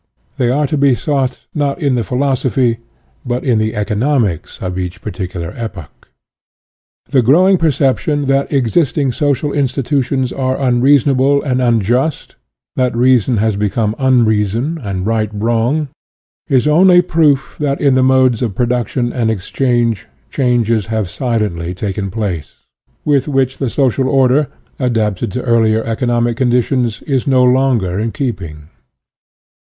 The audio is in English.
They are to be sought, not in the philosophy, but in the economics of each particular epoch. The growing perception that existing social in stitutions are unreasonable and unjust, that UTOPIAN AND SCIENTIFIC 95 reason has become unreason, and right wrong, is only proof that in the modes of production and exchange changes have silently taken place, with which the social order, adapted to earlier economic condi tions, is no longer in keeping.